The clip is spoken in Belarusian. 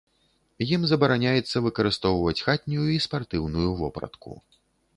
Ім забараняецца выкарыстоўваць хатнюю і спартыўную вопратку.